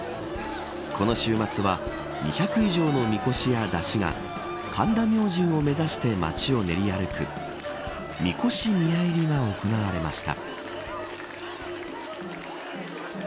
この週末は２００以上のみこしや山車が神田明神を目指して街を練り歩く神輿宮入が行われました。